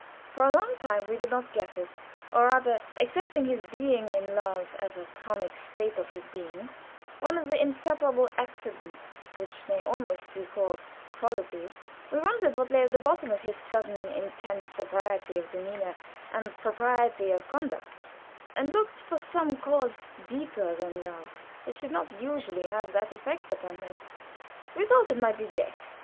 For a long time we did not guess it or rather, accepting his being in love as a chronic state of his being one of the "inseparable accidents," which may almost be called qualities, we wondered what lay at the bottom of his sudden intense sobriety of demeanor and propriety of conduct, and looked for some cause deeper than love, which did not usually have that effect upon him; we thought it might be debt.